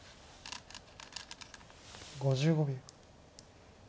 ５５秒。